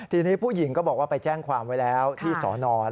ทีนี้ผู้หญิงก็บอกว่าไปแจ้งความไว้แล้วที่สอนอน